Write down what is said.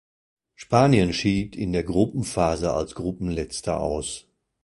Spanien schied in der Gruppenphase als Gruppenletzter aus.